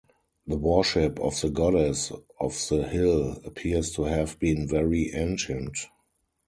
The worship of the goddess of the hill appears to have been very ancient.